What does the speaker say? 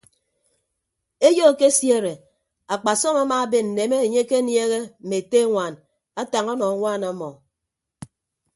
Eyo ekesiere akpasọm amaaben nneme enye ekeniehe mme ete añwaan atañ ọnọ añwaan ọmọ.